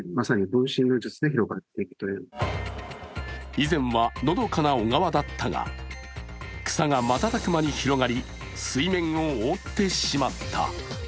以前はのどかな小川だったが草が瞬く間に広がり、水面を覆ってしまった。